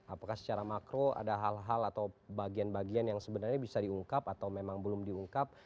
apakah secara makro ada hal hal atau bagian bagian yang sebenarnya bisa diungkap atau memang belum diungkap